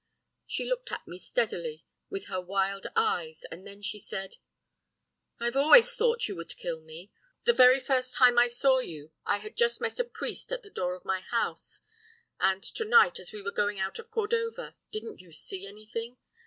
"She looked at me steadily with her wild eyes, and then she said: "'I've always thought you would kill me. The very first time I saw you I had just met a priest at the door of my house. And to night, as we were going out of Cordova, didn't you see anything?